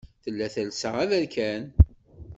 Tella telsa aberkan.